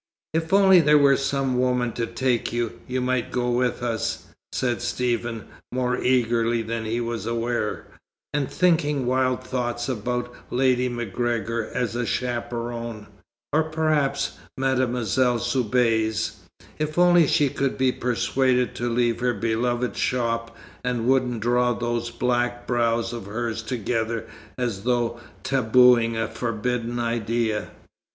"If only there were some woman to take you, you might go with us," said Stephen, more eagerly than he was aware, and thinking wild thoughts about Lady MacGregor as a chaperon, or perhaps Mademoiselle Soubise if only she could be persuaded to leave her beloved shop, and wouldn't draw those black brows of hers together as though tabooing a forbidden idea.